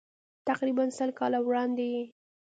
تقریباً سل کاله وړاندې یې.